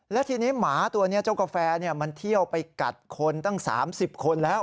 และทีนี้หมาตัวนี้เจ้ากาแฟมันเที่ยวไปกัดคนตั้ง๓๐คนแล้ว